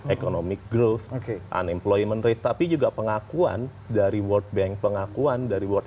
economic growth unemployment rate tapi juga pengakuan dari world bank pengakuan dari world